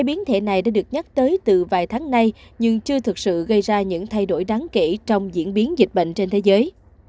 biến thể này đã được nhắc tới từ vài tháng nay nhưng chưa thực sự gây ra những thay đổi đáng kể trong diễn biến dịch bệnh trên thế giới